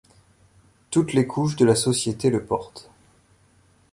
Toutes les couches de la société le portent.